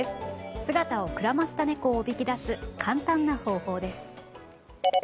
姿をくらました猫をおびき出す簡単な方法です。